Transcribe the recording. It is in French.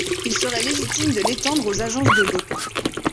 Il serait légitime de l’étendre aux agences de l’eau.